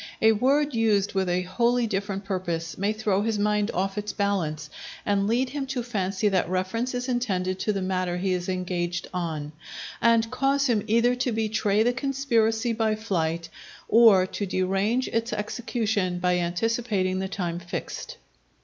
A word used with a wholly different purpose, may throw his mind off its balance and lead him to fancy that reference is intended to the matter he is engaged on, and cause him either to betray the conspiracy by flight, or to derange its execution by anticipating the time fixed.